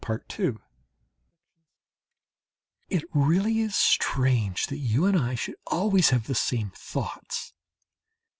It really is strange that you and I should always have the same thoughts.